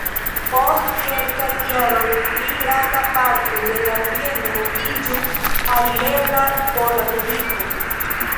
Post kelkaj jaroj pli granda parto de la bieno iĝu alirebla por la publiko.